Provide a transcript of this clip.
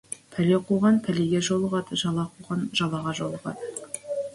Пәле қуған пәлеге жолығады, жала қуған жалаға жолығады.